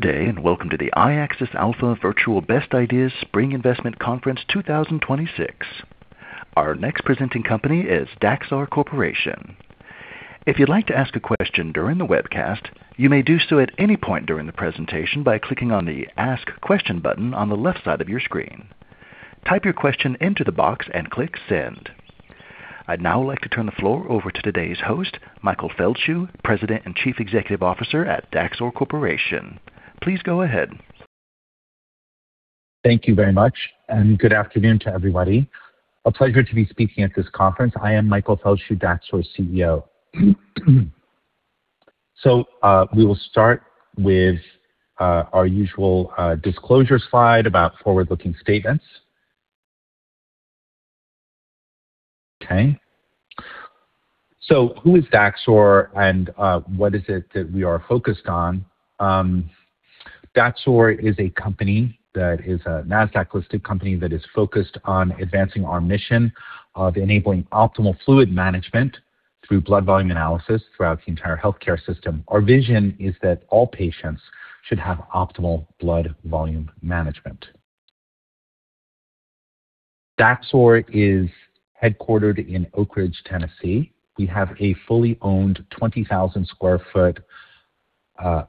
Good day, and welcome to the iAccess Alpha Virtual Best Ideas Spring Investment Conference 2026. Our next presenting company is Daxor Corporation. If you'd like to ask a question during the webcast, you may do so at any point during the presentation by clicking on the Ask Question button on the left side of your screen. Type your question into the box and click Send. I'd now like to turn the floor over to today's host, Michael Feldschuh, President and Chief Executive Officer at Daxor Corporation. Please go ahead. Thank you very much, and good afternoon to everybody. A pleasure to be speaking at this conference. I am Michael Feldschuh, Daxor's CEO. We will start with our usual disclosure slide about forward-looking statements. Okay. Who is Daxor and what is it that we are focused on? Daxor is a company that is a NASDAQ-listed company that is focused on advancing our mission of enabling optimal fluid management through blood volume analysis throughout the entire healthcare system. Our vision is that all patients should have optimal blood volume management. Daxor is headquartered in Oak Ridge, Tennessee. We have a fully owned 20,000 sq ft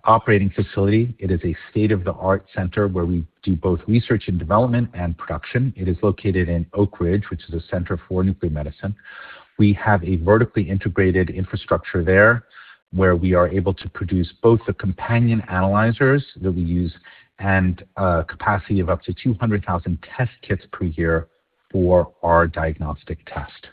operating facility. It is a state-of-the-art center where we do both research and development and production. It is located in Oak Ridge, which is a center for nuclear medicine. We have a vertically integrated infrastructure there, where we are able to produce both the companion analyzers that we use and a capacity of up to 200,000 test kits per year for our diagnostic test.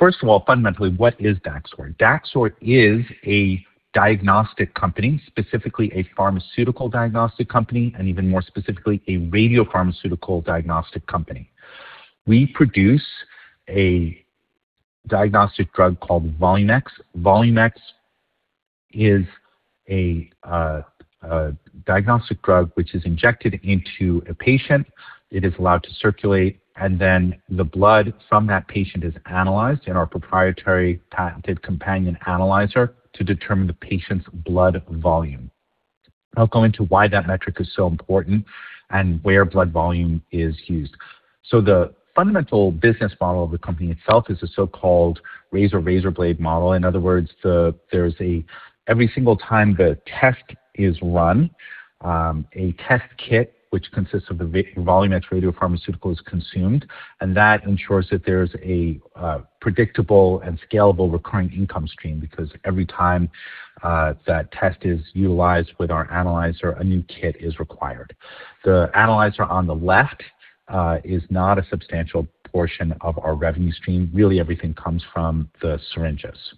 First of all, fundamentally, what is Daxor? Daxor is a diagnostic company, specifically a pharmaceutical diagnostic company, and even more specifically, a radiopharmaceutical diagnostic company. We produce a diagnostic drug called Volumex. Volumex is a diagnostic drug which is injected into a patient. It is allowed to circulate, and then the blood from that patient is analyzed in our proprietary patented companion analyzer to determine the patient's blood volume. I'll go into why that metric is so important and where blood volume is used. The fundamental business model of the company itself is a so-called razor-and-blades business model. In other words, there's every single time the test is run, a test kit which consists of the Volumex radiopharmaceutical is consumed, and that ensures that there's a predictable and scalable recurring income stream because every time that test is utilized with our analyzer, a new kit is required. The analyzer on the left is not a substantial portion of our revenue stream. Really everything comes from the syringes.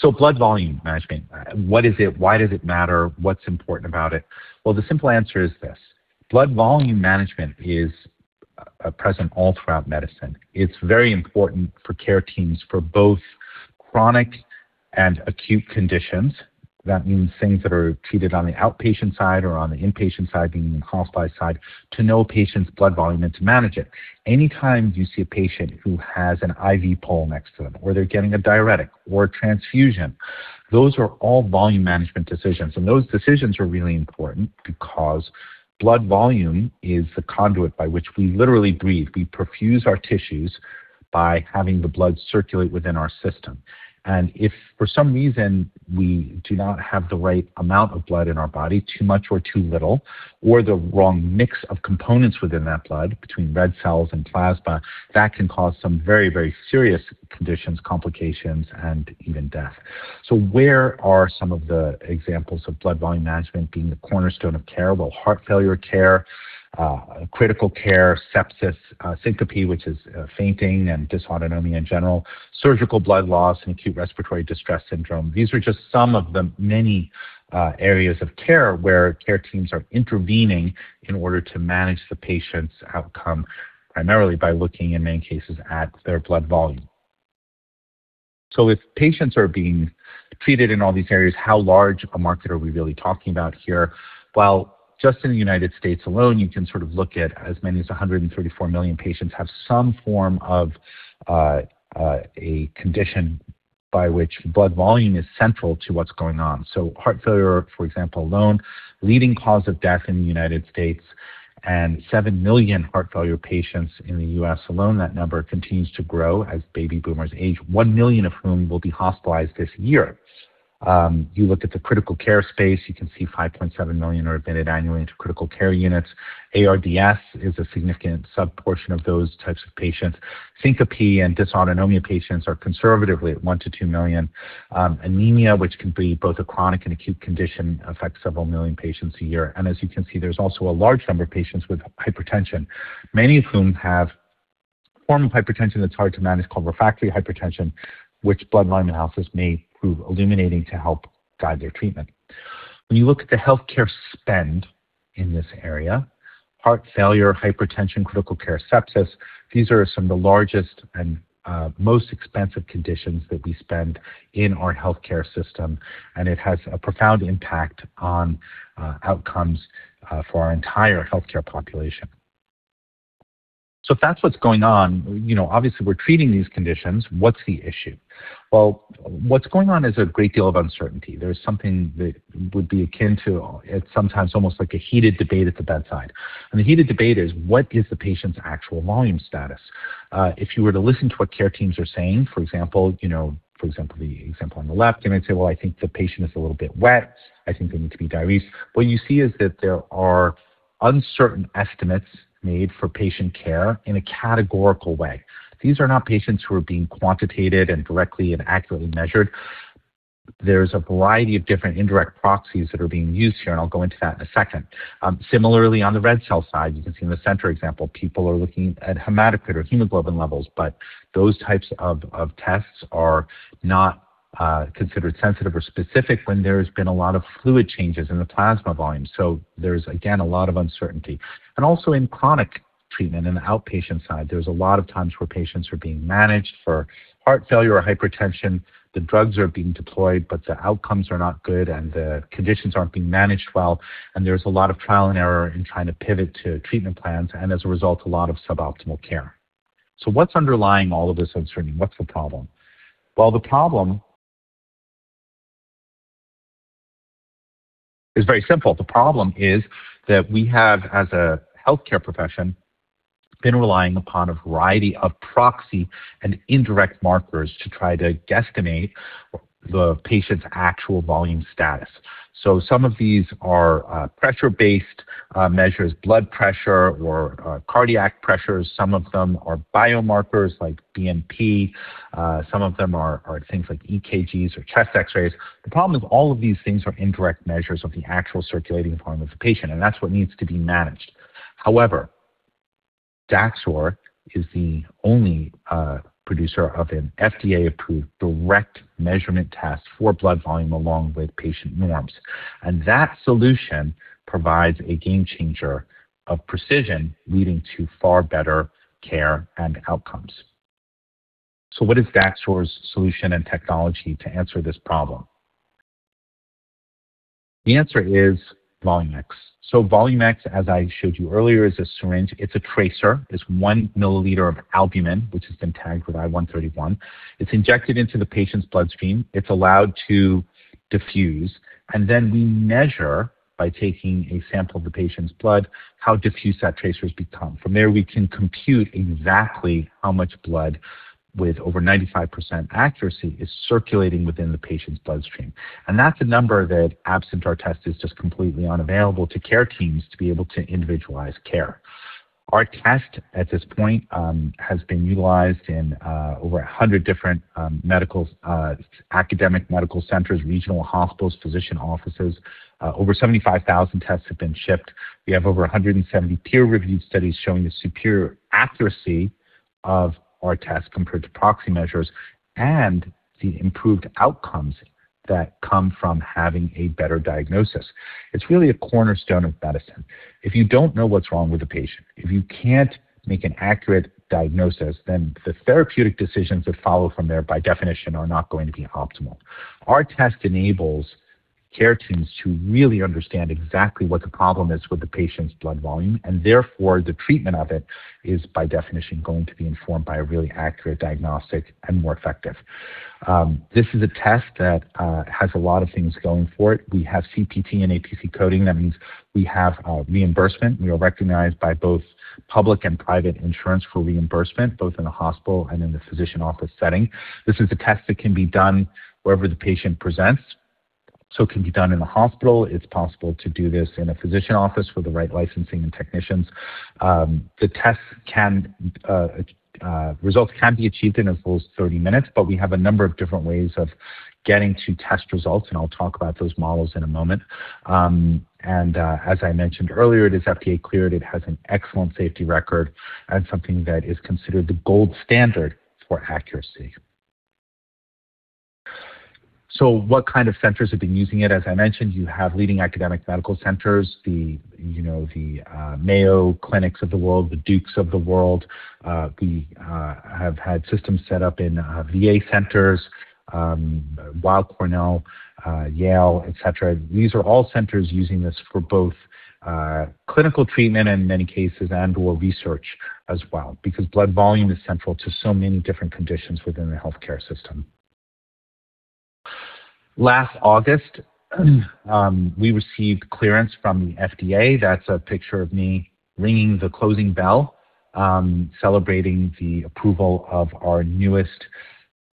Blood volume management. What is it? Why does it matter? What's important about it? Well, the simple answer is this. Blood volume management is present all throughout medicine. It's very important for care teams for both chronic and acute conditions. That means things that are treated on the outpatient side or on the inpatient side, being in the hospital side, to know a patient's blood volume and to manage it. Anytime you see a patient who has an IV pole next to them, or they're getting a diuretic or a transfusion, those are all volume management decisions, and those decisions are really important because blood volume is the conduit by which we literally breathe. We perfuse our tissues by having the blood circulate within our system. If for some reason we do not have the right amount of blood in our body, too much or too little, or the wrong mix of components within that blood between red cells and plasma, that can cause some very, very serious conditions, complications, and even death. Where are some of the examples of blood volume management being the cornerstone of care? Well, heart failure care, critical care, sepsis, syncope, which is fainting and dysautonomia in general, surgical blood loss, and acute respiratory distress syndrome. These are just some of the many areas of care where care teams are intervening in order to manage the patient's outcome primarily by looking in many cases at their blood volume. If patients are being treated in all these areas, how large a market are we really talking about here? Well, just in the United States alone, you can sort of look at as many as 134 million patients have some form of a condition by which blood volume is central to what's going on. Heart failure, for example, alone, leading cause of death in the United States and 7 million heart failure patients in the US alone. That number continues to grow as baby boomers age. 1 million of whom will be hospitalized this year. You look at the critical care space, you can see 5.7 million are admitted annually into critical care units. ARDS is a significant subportion of those types of patients. Syncope and dysautonomia patients are conservatively at 1-2 million. Anemia, which can be both a chronic and acute condition, affects several million patients a year. As you can see, there's also a large number of patients with hypertension, many of whom have a form of hypertension that's hard to manage called refractory hypertension, which blood volume analysis may prove illuminating to help guide their treatment. When you look at the healthcare spend in this area, heart failure, hypertension, critical care sepsis, these are some of the largest and most expensive conditions that we spend on in our healthcare system, and it has a profound impact on outcomes for our entire healthcare population. If that's what's going on, you know, obviously we're treating these conditions. What's the issue? Well, what's going on is a great deal of uncertainty. There's something that would be akin to, it's sometimes almost like a heated debate at the bedside. The heated debate is what is the patient's actual volume status? If you were to listen to what care teams are saying, for example, you know, for example, the example on the left, you might say, "Well, I think the patient is a little bit wet. I think they need to be diuresed." What you see is that there are uncertain estimates made for patient care in a categorical way. These are not patients who are being quantitated and directly and accurately measured. There's a variety of different indirect proxies that are being used here, and I'll go into that in a second. Similarly on the red cell side, you can see in the center example, people are looking at hematocrit or hemoglobin levels, but those types of tests are not considered sensitive or specific when there has been a lot of fluid changes in the plasma volume. So there's, again, a lot of uncertainty. Also in chronic treatment in the outpatient side, there's a lot of times where patients are being managed for heart failure or hypertension. The drugs are being deployed, but the outcomes are not good, and the conditions aren't being managed well. There's a lot of trial and error in trying to pivot to treatment plans and as a result, a lot of suboptimal care. What's underlying all of this uncertainty? What's the problem? Well, the problem is very simple. The problem is that we have, as a healthcare profession, been relying upon a variety of proxy and indirect markers to try to guesstimate the patient's actual volume status. Some of these are pressure-based measures, blood pressure or cardiac pressures. Some of them are biomarkers like BNP. Some of them are things like EKGs or chest X-rays. The problem is all of these things are indirect measures of the actual circulating volume of the patient, and that's what needs to be managed. However, Daxor is the only producer of an FDA-approved direct measurement test for blood volume along with patient norms. That solution provides a game-changer of precision leading to far better care and outcomes. What is Daxor's solution and technology to answer this problem? The answer is Volumex. Volumex, as I showed you earlier, is a syringe. It's a tracer. It's 1 milliliter of albumin, which has been tagged with I-131. It's injected into the patient's bloodstream. It's allowed to diffuse, and then we measure by taking a sample of the patient's blood how diffuse that tracer has become. From there, we can compute exactly how much blood with over 95% accuracy is circulating within the patient's bloodstream. That's a number that absent our test is just completely unavailable to care teams to be able to individualize care. Our test at this point has been utilized in over 100 different medical, academic medical centers, regional hospitals, physician offices. Over 75,000 tests have been shipped. We have over 170 peer-reviewed studies showing the superior accuracy of our test compared to proxy measures and the improved outcomes that come from having a better diagnosis. It's really a cornerstone of medicine. If you don't know what's wrong with the patient, if you can't make an accurate diagnosis, then the therapeutic decisions that follow from there, by definition, are not going to be optimal. Our test enables care teams to really understand exactly what the problem is with the patient's blood volume, and therefore the treatment of it is by definition going to be informed by a really accurate diagnostic and more effective. This is a test that has a lot of things going for it. We have CPT and APC coding. That means we have reimbursement. We are recognized by both public and private insurance for reimbursement, both in the hospital and in the physician office setting. This is a test that can be done wherever the patient presents, so it can be done in the hospital. It's possible to do this in a physician office with the right licensing and technicians. Results can be achieved in as little as 30 minutes, but we have a number of different ways of getting to test results, and I'll talk about those models in a moment. As I mentioned earlier, it is FDA-cleared. It has an excellent safety record and something that is considered the gold standard for accuracy. What kind of centers have been using it? As I mentioned, you have leading academic medical centers, the Mayo Clinics of the world, the Dukes of the world. We have had systems set up in VA centers, Weill Cornell, Yale, et cetera. These are all centers using this for both clinical treatment in many cases and/or research as well because blood volume is central to so many different conditions within the healthcare system. Last August, we received clearance from the FDA. That's a picture of me ringing the closing bell, celebrating the approval of our newest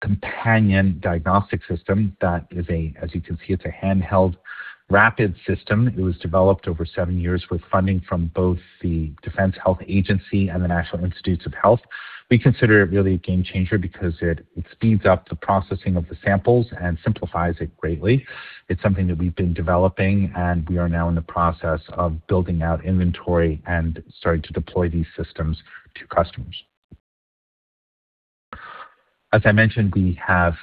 companion diagnostic system. That is a, as you can see, it's a handheld rapid system. It was developed over 7 years with funding from both the Defense Health Agency and the National Institutes of Health. We consider it really a game-changer because it speeds up the processing of the samples and simplifies it greatly. It's something that we've been developing, and we are now in the process of building out inventory and starting to deploy these systems to customers. As I mentioned, we have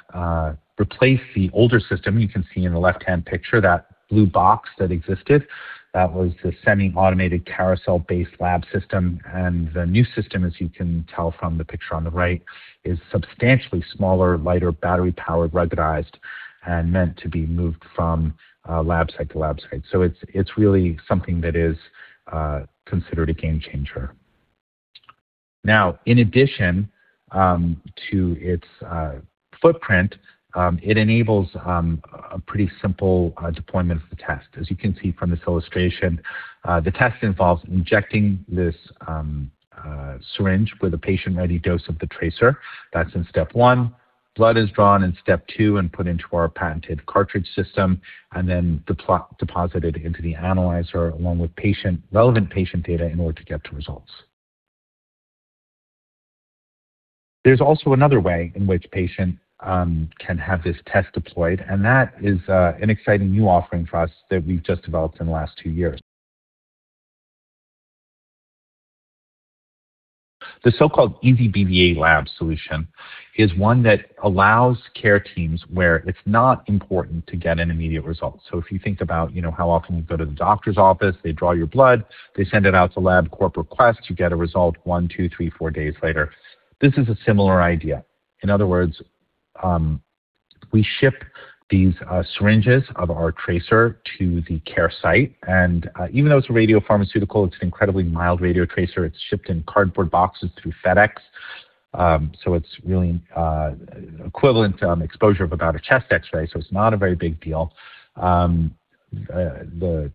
replaced the older system. You can see in the left-hand picture that blue box that existed. That was the semi-automated carousel-based lab system. The new system, as you can tell from the picture on the right, is substantially smaller, lighter, battery-powered, ruggedized, and meant to be moved from lab site to lab site. It's really something that is considered a game-changer. Now, in addition, to its footprint, it enables a pretty simple deployment of the test. As you can see from this illustration, the test involves injecting this syringe with a patient-ready dose of the tracer. That's in step one. Blood is drawn in step two and put into our patented cartridge system, and then deposited into the analyzer along with patient-relevant patient data in order to get the results. There's also another way in which patient can have this test deployed, and that is an exciting new offering for us that we've just developed in the last two years. The so-called Easy BVA Lab solution is one that allows care teams where it's not important to get an immediate result. If you think about, you know, how often you go to the doctor's office, they draw your blood, they send it out to LabCorp and Quest, you get a result 1, 2, 3, 4 days later. This is a similar idea. In other words, we ship these syringes of our tracer to the care site, and even though it's a radiopharmaceutical, it's an incredibly mild radiotracer. It's shipped in cardboard boxes through FedEx, so it's really equivalent to exposure of about a chest X-ray, so it's not a very big deal. The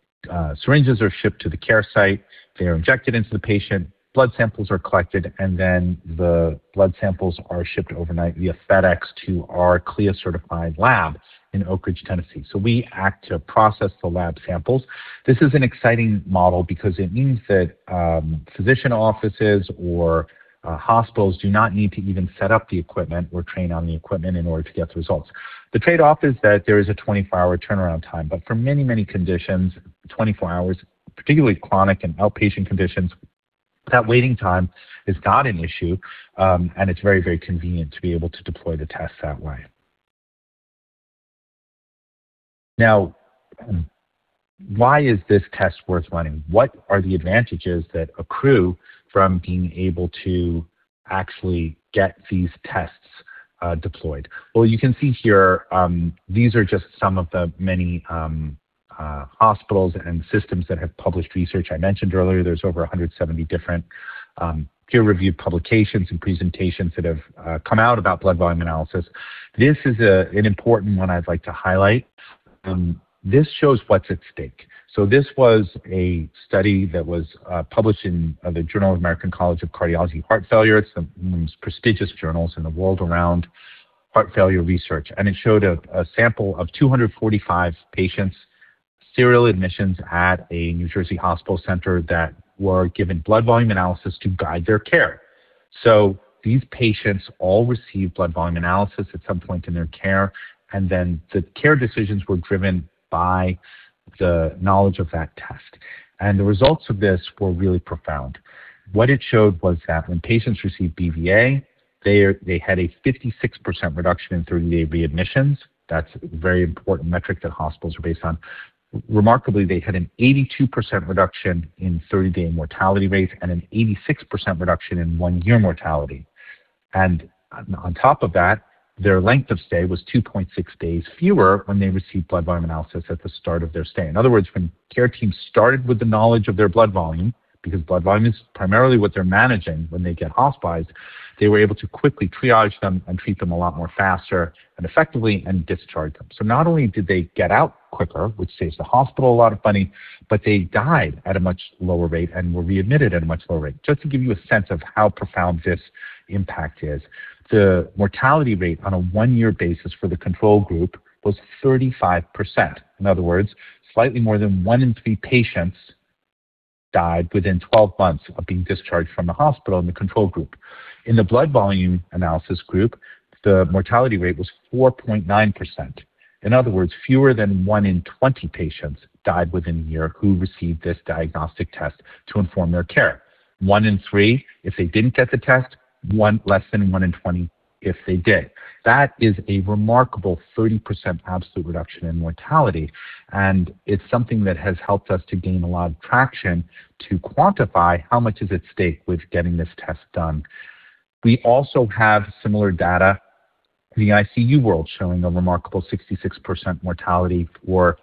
syringes are shipped to the care site. They are injected into the patient, blood samples are collected, and then the blood samples are shipped overnight via FedEx to our CLIA-certified lab in Oak Ridge, Tennessee. We act to process the lab samples. This is an exciting model because it means that physician offices or hospitals do not need to even set up the equipment or train on the equipment in order to get the results. The trade-off is that there is a 24-hour turnaround time, but for many, many conditions, 24 hours, particularly chronic and outpatient conditions, that waiting time is not an issue, and it's very, very convenient to be able to deploy the test that way. Now, why is this test worth running? What are the advantages that accrue from being able to actually get these tests, deployed? Well, you can see here, these are just some of the many, hospitals and systems that have published research. I mentioned earlier there's over 170 different, peer-reviewed publications and presentations that have come out about blood volume analysis. This is an important one I'd like to highlight. This shows what's at stake. This was a study that was published in the Journal of the American College of Cardiology Heart Failure. It's one of the most prestigious journals in the world around heart failure research. It showed a sample of 245 patients, serial admissions at a New Jersey hospital center that were given blood volume analysis to guide their care. These patients all received blood volume analysis at some point in their care, and then the care decisions were driven by the knowledge of that test. The results of this were really profound. What it showed was that when patients received BVA, they had a 56% reduction in 30-day readmissions. That's a very important metric that hospitals are based on. Remarkably, they had an 82% reduction in 30-day mortality rates and an 86% reduction in 1-year mortality. On top of that, their length of stay was 2.6 days fewer when they received blood volume analysis at the start of their stay. In other words, when care teams started with the knowledge of their blood volume, because blood volume is primarily what they're managing when they get hospitalized, they were able to quickly triage them and treat them a lot more faster and effectively and discharge them. Not only did they get out quicker, which saves the hospital a lot of money, but they died at a much lower rate and were readmitted at a much lower rate. Just to give you a sense of how profound this impact is, the mortality rate on a one-year basis for the control group was 35%. In other words, slightly more than 1 in 3 patients died within 12 months of being discharged from the hospital in the control group. In the blood volume analysis group, the mortality rate was 4.9%. In other words, fewer than 1 in 20 patients died within a year who received this diagnostic test to inform their care. 1 in 3 if they didn't get the test, less than 1 in 20 if they did. That is a remarkable 30% absolute reduction in mortality, and it's something that has helped us to gain a lot of traction to quantify how much is at stake with getting this test done. We also have similar data in the ICU world showing a remarkable 66% mortality for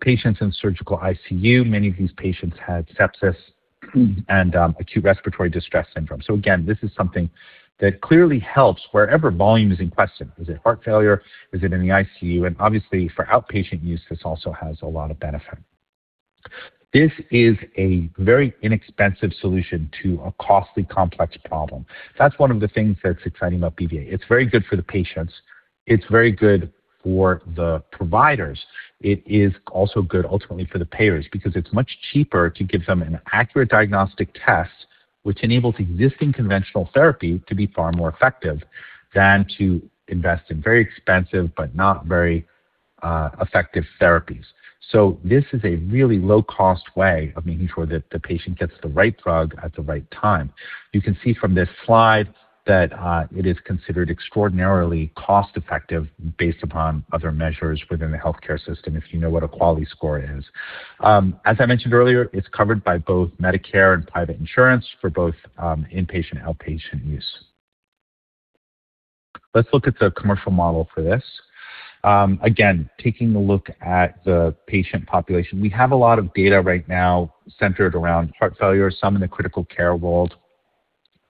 patients in surgical ICU. Many of these patients had sepsis and acute respiratory distress syndrome. Again, this is something that clearly helps wherever volume is in question. Is it heart failure? Is it in the ICU? And obviously for outpatient use, this also has a lot of benefit. This is a very inexpensive solution to a costly, complex problem. That's one of the things that's exciting about BVA. It's very good for the patients. It's very good for the providers. It is also good ultimately for the payers because it's much cheaper to give them an accurate diagnostic test which enables existing conventional therapy to be far more effective than to invest in very expensive but not very effective therapies. This is a really low-cost way of making sure that the patient gets the right drug at the right time. You can see from this slide that it is considered extraordinarily cost-effective based upon other measures within the healthcare system if you know what a quality score is. As I mentioned earlier, it's covered by both Medicare and private insurance for both inpatient and outpatient use. Let's look at the commercial model for this. Again, taking a look at the patient population, we have a lot of data right now centered around heart failure, some in the critical care world.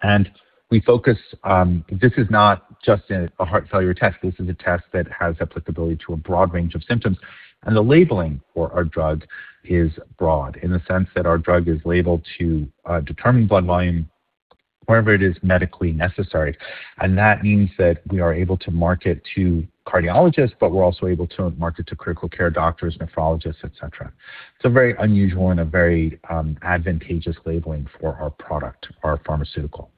This is not just a heart failure test, this is a test that has applicability to a broad range of symptoms. The labeling for our drug is broad in the sense that our drug is labeled to determine blood volume wherever it is medically necessary. That means that we are able to market to cardiologists, but we're also able to market to critical care doctors, nephrologists, et cetera. It's a very unusual and a very advantageous labeling for our product, our pharmaceutical.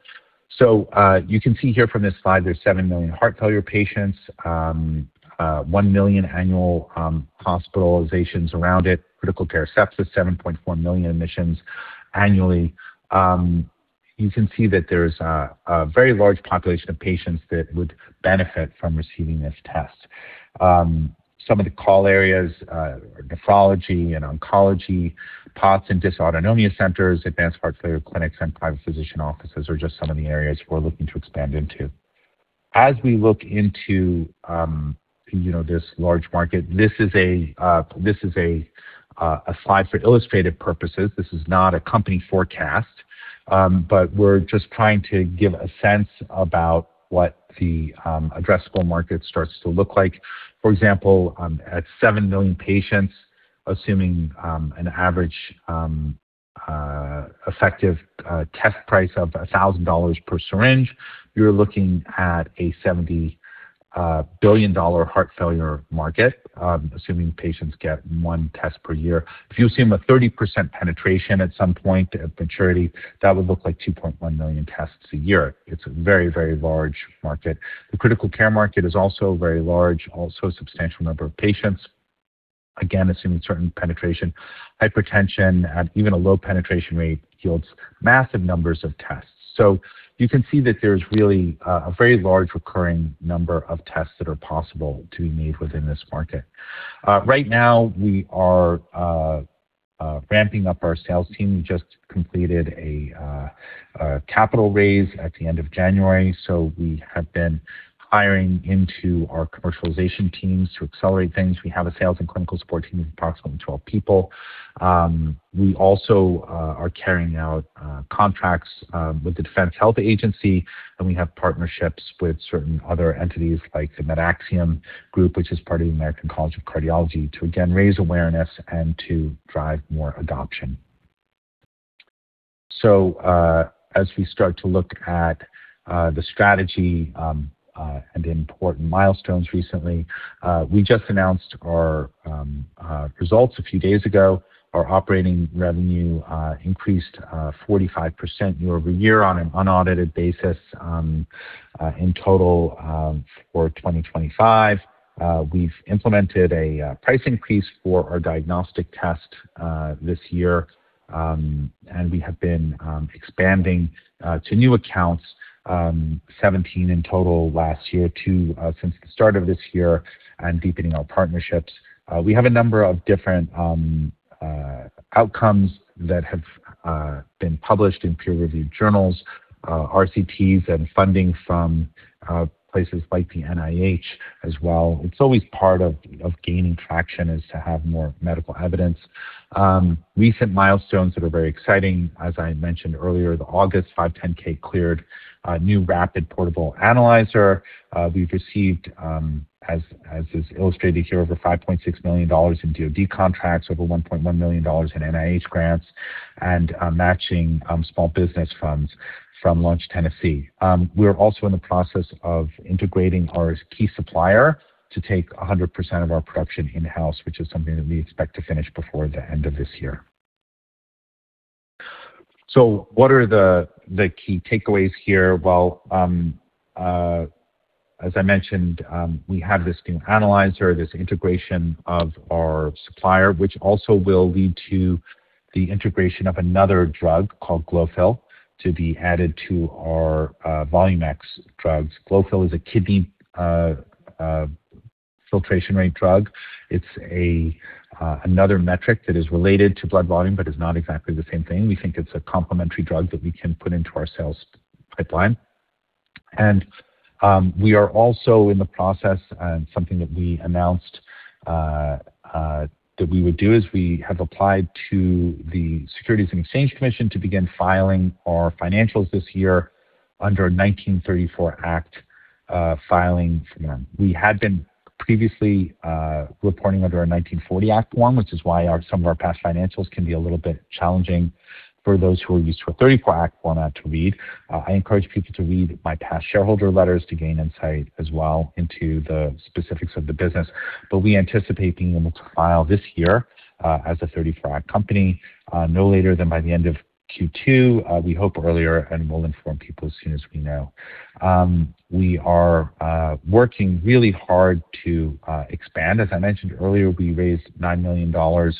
You can see here from this slide, there's 7 million heart failure patients, one million annual hospitalizations around it. Critical care sepsis, 7.4 million admissions annually. You can see that there's a very large population of patients that would benefit from receiving this test. Some of the call areas are nephrology and oncology, POTS and dysautonomia centers, advanced heart failure clinics, and private physician offices are just some of the areas we're looking to expand into. As we look into, you know, this large market, this is a slide for illustrative purposes. This is not a company forecast. We're just trying to give a sense about what the addressable market starts to look like. For example, at 7 million patients, assuming an average effective test price of $1,000 per syringe, you're looking at a $70 billion heart failure market, assuming patients get 1 test per year. If you assume a 30% penetration at some point of maturity, that would look like 2.1 million tests a year. It's a very, very large market. The critical care market is also very large. Also a substantial number of patients, again, assuming certain penetration. Hypertension at even a low penetration rate yields massive numbers of tests. You can see that there's really a very large recurring number of tests that are possible to be made within this market. Right now, we are ramping up our sales team. We just completed a capital raise at the end of January, so we have been hiring into our commercialization teams to accelerate things. We have a sales and clinical support team of approximately 12 people. We also are carrying out contracts with the Defense Health Agency, and we have partnerships with certain other entities like MedAxiom, which is part of the American College of Cardiology, to again raise awareness and to drive more adoption. As we start to look at the strategy and the important milestones recently, we just announced our results a few days ago. Our operating revenue increased 45% year-over-year on an unaudited basis, in total, for 2025. We've implemented a price increase for our diagnostic test this year. We have been expanding to new accounts, 17 in total last year to since the start of this year, and deepening our partnerships. We have a number of different outcomes that have been published in peer-reviewed journals, RCTs and funding from places like the NIH as well. It's always part of gaining traction is to have more medical evidence. Recent milestones that are very exciting. As I mentioned earlier, the August 510(k) cleared a new rapid portable analyzer. We've received, as is illustrated here, over $5.6 million in DoD contracts, over $1.1 million in NIH grants, and matching small business funds from Launch Tennessee. We're also in the process of integrating our key supplier to take 100% of our production in-house, which is something that we expect to finish before the end of this year. What are the key takeaways here? Well, as I mentioned, we have this new analyzer, this integration of our supplier, which also will lead to the integration of another drug called Glofil to be added to our Volumex drugs. Glofil is a kidney filtration rate drug. It's another metric that is related to blood volume, but is not exactly the same thing. We think it's a complementary drug that we can put into our sales pipeline. We are also in the process and something that we announced that we would do is we have applied to the Securities and Exchange Commission to begin filing our financials this year under a 1934 Act filing. We had been previously reporting under a 1940 Act form, which is why some of our past financials can be a little bit challenging for those who are used to a 1934 Act form to read. I encourage people to read my past shareholder letters to gain insight as well into the specifics of the business. We anticipate being able to file this year as a 1934 Act company no later than by the end of Q2. We hope earlier and we'll inform people as soon as we know. We are working really hard to expand. As I mentioned earlier, we raised $9 million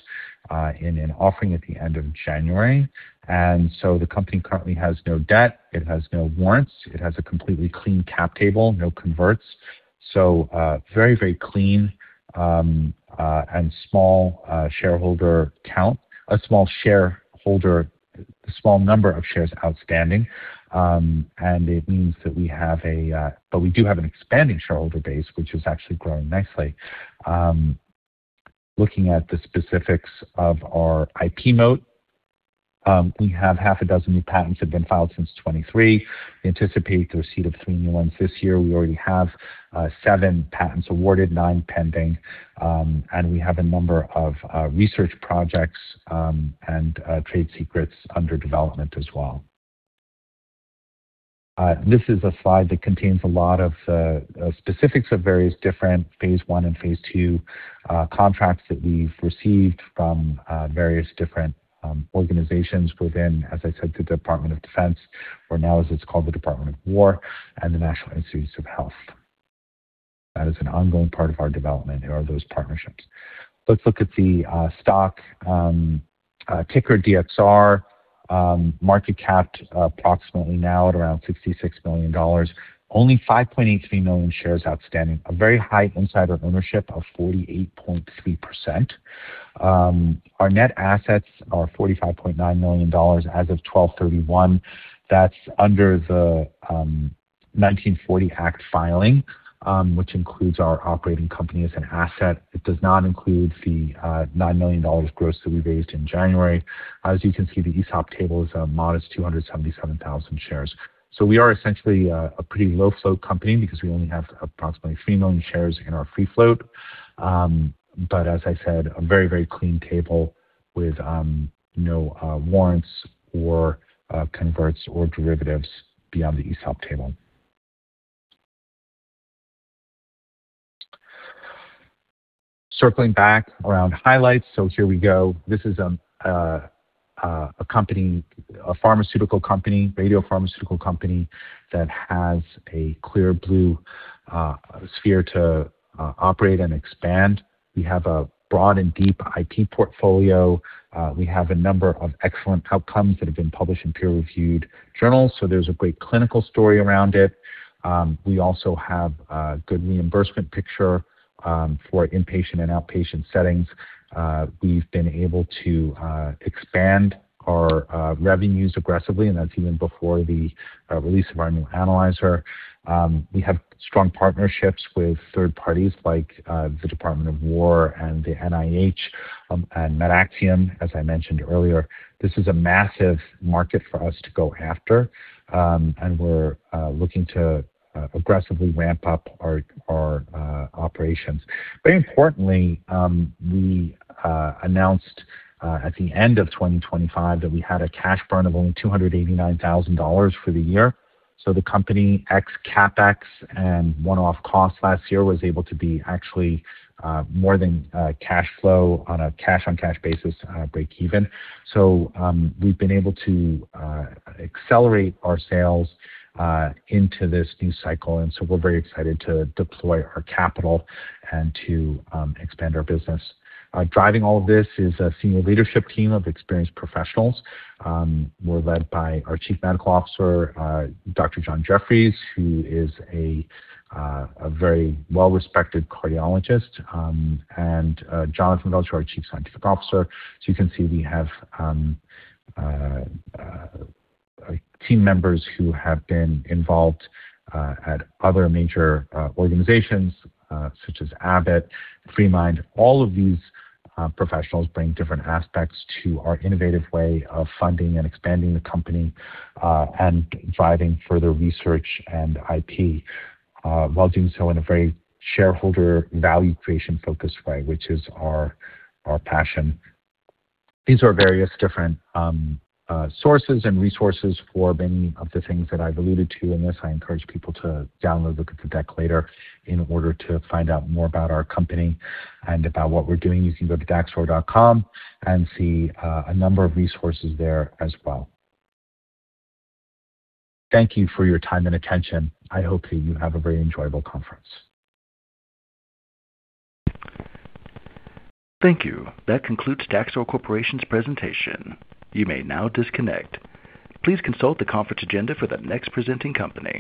in an offering at the end of January, and the company currently has no debt, it has no warrants. It has a completely clean cap table, no converts. Very clean and small shareholder count. A small number of shares outstanding, and it means that we have. But we do have an expanding shareholder base, which is actually growing nicely. Looking at the specifics of our IP moat, we have 6 new patents have been filed since 2023. We anticipate the receipt of 3 new ones this year. We already have 7 patents awarded, 9 pending, and we have a number of research projects and trade secrets under development as well. This is a slide that contains a lot of specifics of various different phase 1 and phase 2 contracts that we've received from various different organizations within, as I said, the Department of Defense, or now as it's called, the Department of Defense, and the National Institutes of Health. That is an ongoing part of our development. There are those partnerships. Let's look at the stock ticker DXR, market cap approximately now at around $66 million. Only 5.83 million shares outstanding. A very high insider ownership of 48.3%. Our net assets are $45.9 million as of 12/31. That's under the 1940 Act filing, which includes our operating company as an asset. It does not include the $9 million gross that we raised in January. As you can see, the ESOP table is a modest 277,000 shares. We are essentially a pretty low-float company because we only have approximately 3 million shares in our free float. As I said, a very, very clean table with no warrants or converts or derivatives beyond the ESOP table. Circling back around highlights. Here we go. This is a company, a pharmaceutical company, radiopharmaceutical company that has a clear blue space to operate and expand. We have a broad and deep IP portfolio. We have a number of excellent outcomes that have been published in peer-reviewed journals, so there's a great clinical story around it. We also have a good reimbursement picture for inpatient and outpatient settings. We've been able to expand our revenues aggressively, and that's even before the release of our new analyzer. We have strong partnerships with third parties like the Department of War and the NIH, and MedAxiom, as I mentioned earlier. This is a massive market for us to go after, and we're looking to aggressively ramp up our operations. Very importantly, we announced at the end of 2025 that we had a cash burn of only $289,000 for the year. The company ex CapEx and one-off costs last year was able to be actually more than cash flow on a cash-on-cash basis breakeven. We've been able to accelerate our sales into this new cycle, and so we're very excited to deploy our capital and to expand our business. Driving all of this is a senior leadership team of experienced professionals. We're led by our Chief Medical Officer, Dr. John L. Jefferies, who is a very well-respected cardiologist, and Jonathan Feldschuh, our Chief Scientific Officer. You can see we have team members who have been involved at other major organizations such as Abbott, FreeMind Group. All of these professionals bring different aspects to our innovative way of funding and expanding the company, and driving further research and IP, while doing so in a very shareholder value creation-focused way, which is our passion. These are various different sources and resources for many of the things that I've alluded to in this. I encourage people to download, look at the deck later in order to find out more about our company and about what we're doing. You can go to Daxor.com and see a number of resources there as well. Thank you for your time and attention. I hope that you have a very enjoyable conference. Thank you. That concludes Daxor Corporation's presentation. You may now disconnect. Please consult the conference agenda for the next presenting company.